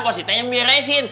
kalo sitenya miresin